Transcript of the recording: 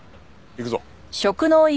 行くぞ。